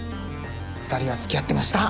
２人はつきあってました。